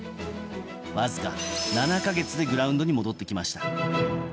わずか７か月でグラウンドに戻ってきました。